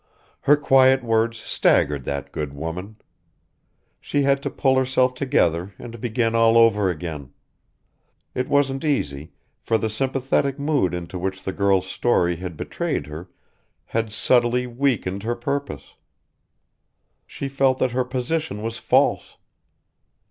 Her quiet words staggered that good woman. She had to pull herself together and begin all over again. It wasn't easy, for the sympathetic mood into which the girl's story had betrayed her had subtly weakened her purpose. She felt that her position was false.